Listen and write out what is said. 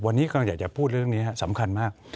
วันนี้กำลังอยากจะพูดเรื่องนี้สำคัญมาก